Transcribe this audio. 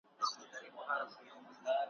پوره سوی مي ارمان جنم جنم دئ